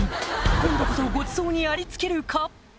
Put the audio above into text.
今度こそごちそうにありつけるか？